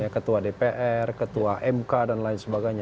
ketua dpr ketua mk dan lain sebagainya